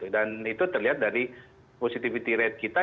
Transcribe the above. dan itu terlihat dari positivity rate kita